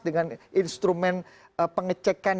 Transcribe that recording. dengan instrumen pengecekan